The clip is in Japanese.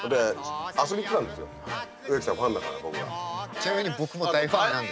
ちなみに僕も大ファンなんで。